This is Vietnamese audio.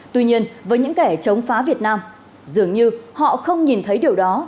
tuy nhiên với những kẻ chống phá việt nam dường như họ không nhìn thấy điều đó